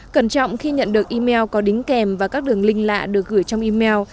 cẩn trọng khi nhận được email có đính kèm và các đường link lạ được gửi trong email